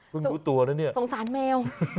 เพิ่งดูตัวนะเนี่ยสงสารแมว